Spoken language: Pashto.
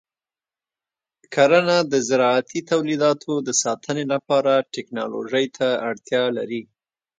کرنه د زراعتي تولیداتو د ساتنې لپاره ټیکنالوژۍ ته اړتیا لري.